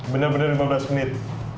benar benar lima belas menit